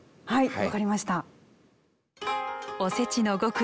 はい。